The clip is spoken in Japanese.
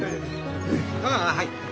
ああはい。